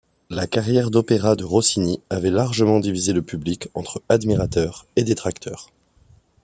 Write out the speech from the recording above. La carrière d'opéra de Rossini avait largement divisé le public entre admirateurs et détracteurs.